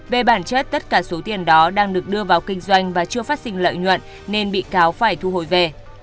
về bản chất tất cả số tiền đó đang được đưa vào kinh doanh và chưa phát sinh lợi nhuận nên bị cáo phải thu hồi về